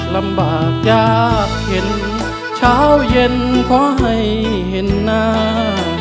ลำบากยากเห็นเช้าเย็นขอให้เห็นหน้า